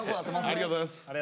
ありがとうございます。